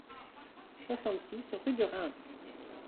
soixante-six rue de Reims